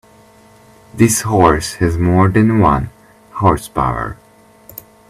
This horse has more than one horse power.